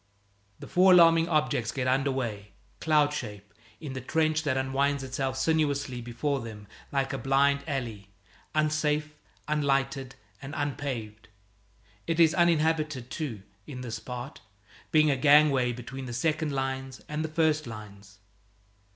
The four alarming objects get under way, cloud shape, in the trench that unwinds itself sinuously before them like a blind alley, unsafe, unlighted, and unpaved. It is uninhabited, too, in this part, being a gangway between the second lines and the first lines.